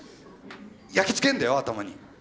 焼きつけんだよ頭に。